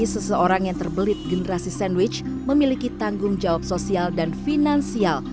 seseorang yang terbelit generasi sandwich memiliki tanggung jawab sosial dan finansial